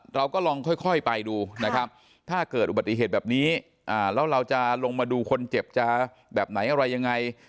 เราก็ลองค่อยไปดูนะครับถ้าเกิดอุบัติเหตุแบบนี้แล้วเราจะลงมาดูคนเจ็บจะแบบไหนอะไรยังไง